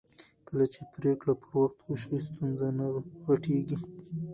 کله چې پرېکړې پر وخت وشي ستونزې نه غټېږي